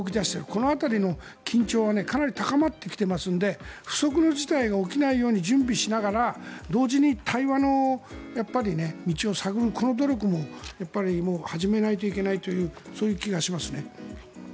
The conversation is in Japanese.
この辺りの緊張はかなり高まってきていますので不測の事態が起きないように準備しながら同時に対話の道を探るこの努力も始めないといけないそういう気がしますね。